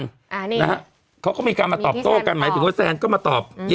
อันนี้นะฮะเขาก็มีการมาตอบโต้กันหมายถึงว่าแซนก็มาตอบ